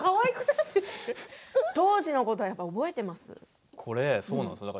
当時のこと、覚えていますか。